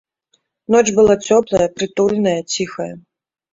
Ноч была цёплая, прытульная, ціхая.